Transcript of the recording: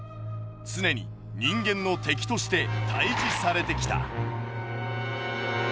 常に人間の敵として退治されてきた。